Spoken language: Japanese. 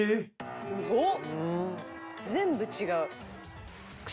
すごっ！